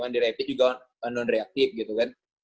direpit juga non reaktif gitu kan